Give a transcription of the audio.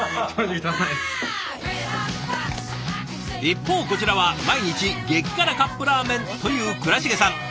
一方こちらは毎日激辛カップラーメンという倉重さん。